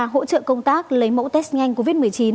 hỗ trợ công tác lấy mẫu test nhanh covid một mươi chín